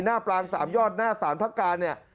ปลางสามยอดหน้าสารพระการเนี่ย